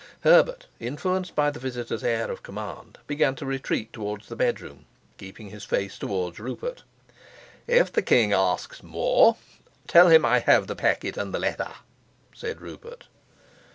Herbert, influenced by the visitor's air of command, began to retreat towards the bedroom, keeping his face towards Rupert. "If the king asks more, tell him I have the packet and the letter," said Rupert.